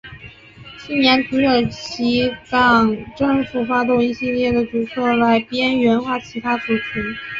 青年土耳其党政府发动一系列的举措来边缘化其他族群。